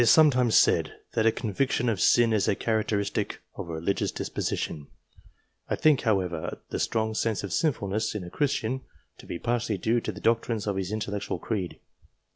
It is sometimes said, that a conviction of sin is a characteristic of a religious disposition ; I think, how ever, the strong sense of sinfulness in a Christian, to be partly due to the doctrines of his intellectual creed.